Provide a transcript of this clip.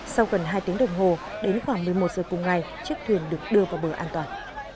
sau gần hai tiếng đồng hồ đến khoảng một mươi một giờ cùng ngày chiếc thuyền được đưa vào bờ an toàn